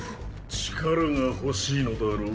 力が欲しいのだろう？